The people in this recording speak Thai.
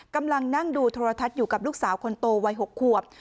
กำลังนั่งดูโทรทัศน์อยู่กับลูกสาวคนโตวัย๖ขวบ